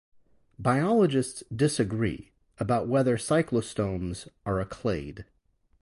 Biologists disagree about whether cyclostomes are a clade.